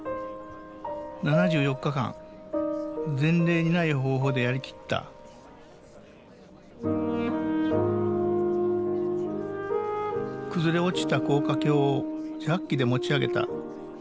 ７４日間前例にない方法でやりきった崩れ落ちた高架橋をジャッキで持ち上げた。